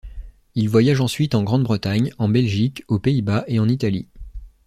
Il voyage ensuite en Grande-Bretagne, en Belgique, aux Pays-Bas et en Italie.